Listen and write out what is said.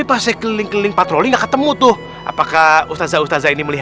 iya saya sih nggak melihat ustazah